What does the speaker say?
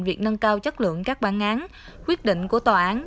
việc nâng cao chất lượng các bản án quyết định của tòa án